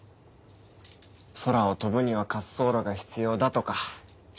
「空を飛ぶには滑走路が必要だ」とか。